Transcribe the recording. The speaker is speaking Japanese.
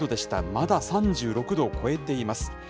まだ３６度を超えています。